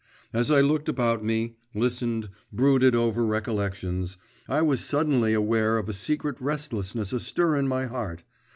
As I looked about me, listened, brooded over recollections, I was suddenly aware of a secret restlessness astir in my heart.